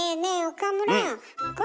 岡村。